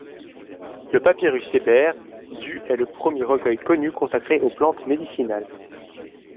Le Papyrus Ebers, du est le premier recueil connu consacré aux plantes médicinales.